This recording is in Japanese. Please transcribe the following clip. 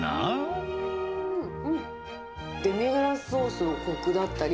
デミグラスソースのこくだったり、